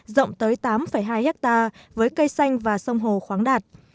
rộng tới tám hai hectare với cây xanh và sông hồ khoáng đạt